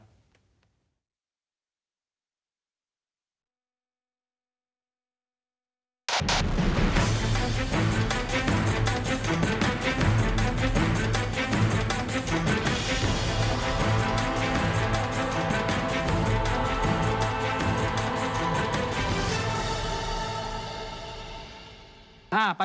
โปรดติดตามตอนต่อไป